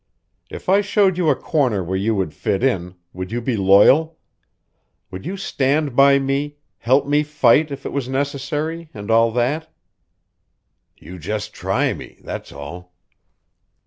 "If I showed you a corner where you would fit in, would you be loyal? Would you stand by me, help me fight if it was necessary, and all that?" "You just try me that's all."